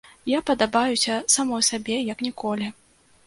Я падабаюся самой сабе як ніколі.